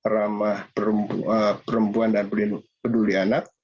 ramah perempuan dan peduli anak